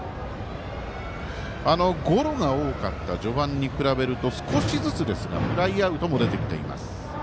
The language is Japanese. ゴロが多かった序盤に比べると少しずつですがフライアウトも出てきています。